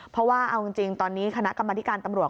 เพราะว่าเอาจริงตอนนี้คณะกรรมธิการตำรวจ